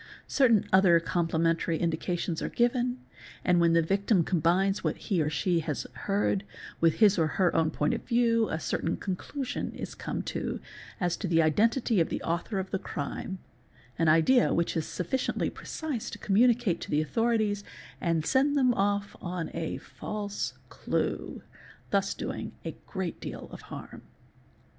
Certain other general complementary indications — are given and when the victim combines what he or she has heard with his or her own point of view a certain conélusion is come to as to the identity of the author of the crime, an idea which is sufficiently precise to communicate to the authorities and send them off on a false clue, thus doing a great deal of harm.